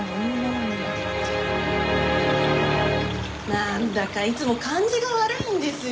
なんだかいつも感じが悪いんですよ。